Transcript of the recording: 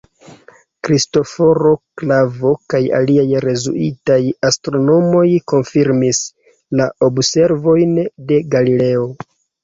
Kristoforo Klavo kaj aliaj jezuitaj astronomoj konfirmis la observojn de Galileo.